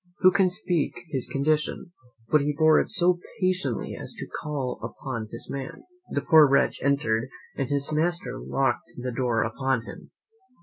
Who can speak his condition? but he bore it so patiently as to call up his man. The poor wretch entered, and his master locked the door upon him.